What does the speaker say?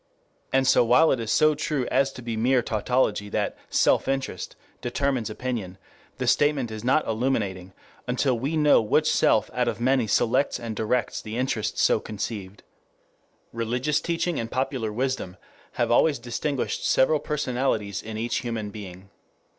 And so while it is so true as to be mere tautology that "self interest" determines opinion, the statement is not illuminating, until we know which self out of many selects and directs the interest so conceived. Religious teaching and popular wisdom have always distinguished several personalities in each human being.